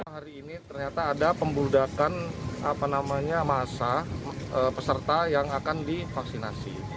hari ini ternyata ada pembudakan masa peserta yang akan divaksinasi